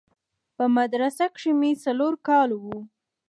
په مدرسه کښې مې څلورم کال و.